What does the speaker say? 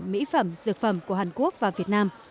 mỹ phẩm dược phẩm của hàn quốc và việt nam